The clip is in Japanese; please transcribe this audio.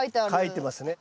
書いてますね。